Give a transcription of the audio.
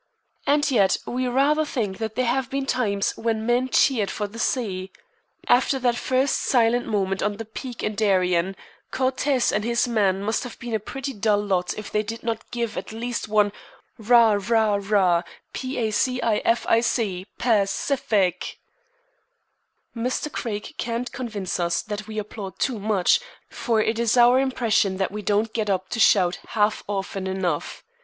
And yet we rather think that there have been times when men cheered for the sea. After that first silent moment on the peak in Darien, Cortez and his men must have been a pretty dull lot if they did not give at least one "Rah, rah, rah P A C I F I C Pa cific!" Mr. Craig can't convince us that we applaud too much, for it is our impression that we don't get up to shout half often enough.